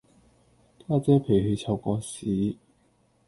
家姐脾氣臭過屎